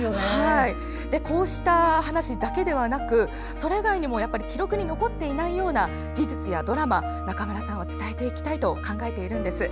こうした話だけではなくそれ以外にも記録に残っていないような事実やドラマを中村さんは伝えていきたいと考えているんです。